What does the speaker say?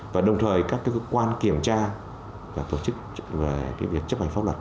và đồng thời các cơ quan kiểm tra và tổ chức về việc chấp hành pháp luật